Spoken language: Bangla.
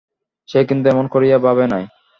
সে কিন্তু এমন করিয়া ভাবে নাই।